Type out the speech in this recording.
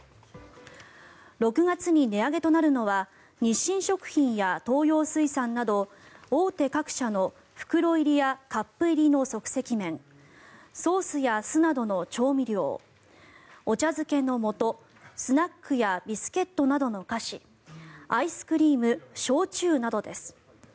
６月に値上げとなるのは日清食品や東洋水産など大手各社の袋入りやカップ入りの即席麺ソースや酢などの調味料お茶漬けのもとスナックやビスケットなどの菓子アイスクリーム、焼酎などです。